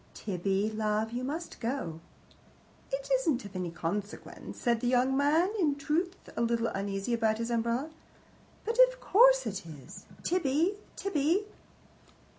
"Tibby love, you must go." "It isn't of any consequence," said the young man, in truth a little uneasy about his umbrella. "But of course it is. Tibby! Tibby!"